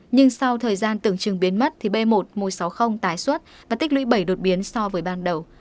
nhưng sau thời gian tưởng chừng biến mất thì b một một trăm sáu mươi tái xuất và tích lũy bảy đột biến so với ban đầu